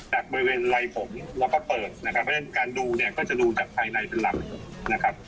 ให้ตรวจได้อยู่ครับ